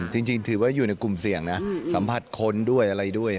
จริงถือว่าอยู่ในกลุ่มเสี่ยงนะสัมผัสคนด้วยอะไรด้วย